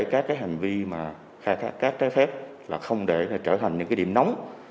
để các hành vi khai thác cát trái phép không trở thành những điểm nóng